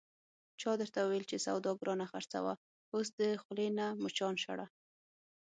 چا درته ویل چې سودا گرانه خرڅوه، اوس د خولې نه مچان شړه...